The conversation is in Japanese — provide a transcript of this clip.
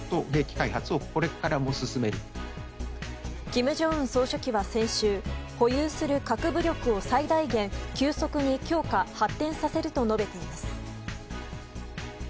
金正恩総書記は先週保有する核武力を最大限、急速に強化・発展させると述べています。